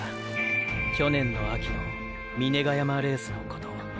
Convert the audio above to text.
去年の秋の峰ヶ山レースのこと。